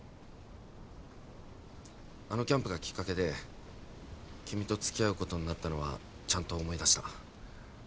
あのキャンプがきっかけで君と付き合うことになったのはちゃんと思い出した。